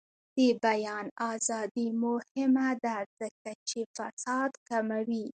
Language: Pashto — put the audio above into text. د بیان ازادي مهمه ده ځکه چې فساد کموي.